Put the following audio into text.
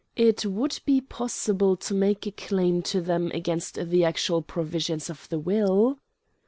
It would be possible to make a claim to them against the actual provisions of the will."